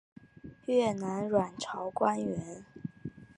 越南阮朝官员。